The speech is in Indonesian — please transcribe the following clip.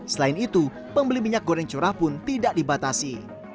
selain itu pembeli minyak goreng curah pun tidak dibatasi